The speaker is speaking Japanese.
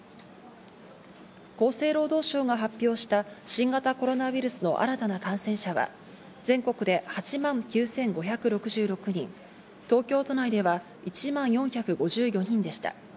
厚生労働省が発表した新型コロナウイルスの新たな感染者は、全国で８万９５６６人、東京都内では１万４５４人でした。